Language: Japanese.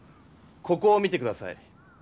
ここを見て下さい。